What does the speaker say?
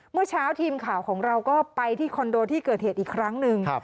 เมื่อเช้าทีมข่าวของเราก็ไปที่คอนโดที่เกิดเหตุอีกครั้งหนึ่ง